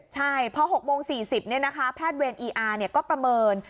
ใช่พอ๖โมง๔๐แพทย์เวรอีอาร์ก็ประเมิน